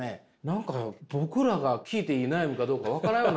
何か僕らが聞いていい悩みかどうか分からん。